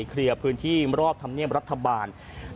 เคลียร์พื้นที่รอบธรรมเนียมรัฐบาล